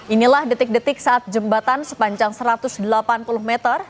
inilah detik detik saat jembatan sepanjang satu ratus delapan puluh meter